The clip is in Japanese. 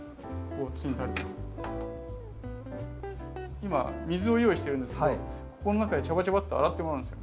今水を用意してるんですけどここの中でジャバジャバッと洗ってもらうんですよ。